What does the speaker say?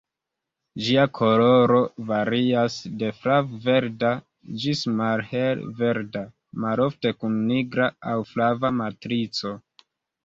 Ĝia koloro varias de flav-verda ĝis malhel-verda, malofte kun nigra aŭ flava matrico.